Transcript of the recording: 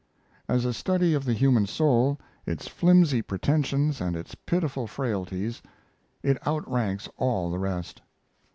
As a study of the human soul, its flimsy pretensions and its pitiful frailties, it outranks all the rest.